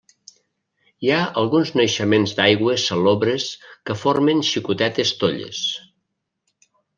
Hi ha alguns naixements d'aigües salobres que formen xicotetes tolles.